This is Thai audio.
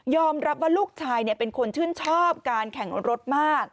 รับว่าลูกชายเป็นคนชื่นชอบการแข่งรถมาก